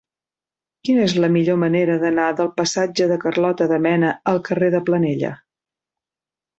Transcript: Quina és la millor manera d'anar del passatge de Carlota de Mena al carrer de Planella?